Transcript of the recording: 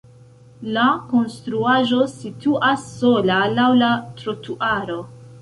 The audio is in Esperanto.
La konstruaĵo situas sola laŭ la trotuaro.